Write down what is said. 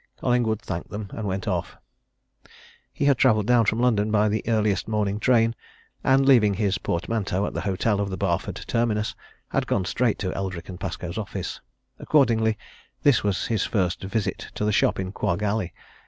Collingwood thanked him and went off. He had travelled down from London by the earliest morning train, and leaving his portmanteau at the hotel of the Barford terminus, had gone straight to Eldrick & Pascoe's office; accordingly this was his first visit to the shop in Quagg Alley.